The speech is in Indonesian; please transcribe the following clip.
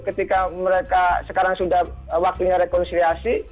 ketika mereka sekarang sudah waktunya rekonsiliasi